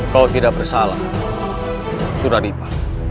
kau tidak bersalah suradipa